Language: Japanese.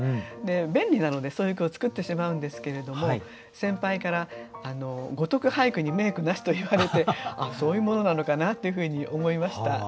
便利なのでそういう句を作ってしまうんですけれども先輩から「如く俳句に名句なし」といわれてそういうものなのかなっていうふうに思いました。